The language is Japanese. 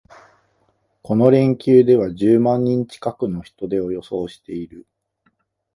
この連休では十万人近くの人出を予想している